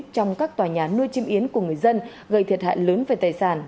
trong các tòa nhà nuôi chim yến của người dân gây thiệt hại lớn về tài sản